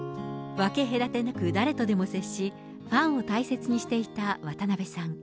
分け隔てなく誰とでも接し、ファンを大切にしていた渡辺さん。